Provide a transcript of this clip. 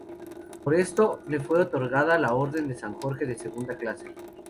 Por esto, le fue otorgada la Orden de San Jorge de segunda clase.